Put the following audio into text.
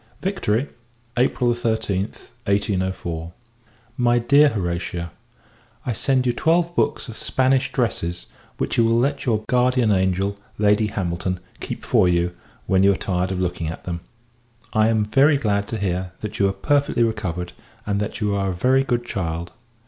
Victory, April 13th, 1804. MY DEAR HORATIA, I send you twelve books of Spanish dresses, which you will let your guardian angel, Lady Hamilton, keep for you, when you are tired of looking at them. I am very glad to hear, that you are perfectly recovered; and, that you are a very good child.